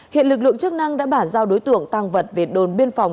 hiện lực lượng chức năng đã bản giao đối tượng tàng vật việt đồn biên phòng